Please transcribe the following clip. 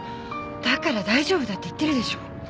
だから大丈夫だって言ってるでしょ。